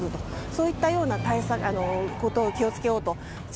そういったような対策で気を付けようと。